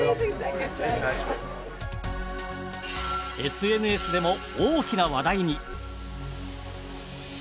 ＳＮＳでも大きな話題に。